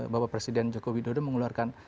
bapak presiden joko widodo mengeluarkan